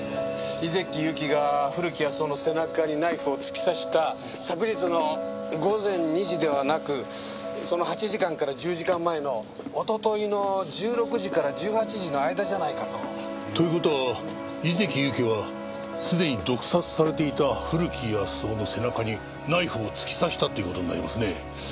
井関ゆきが古木保男の背中にナイフを突き刺した昨日の午前２時ではなくその８時間から１０時間前のおとといの１６時から１８時の間じゃないかと。という事は井関ゆきはすでに毒殺されていた古木保男の背中にナイフを突き刺したっていう事になりますね。